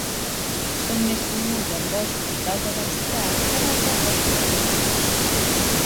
Són més comuns en boscos d'alta densitat que en altres boscos primaris.